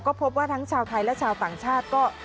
ก็พบว่าทั้งชาวไทยและชาวต่างชาติก็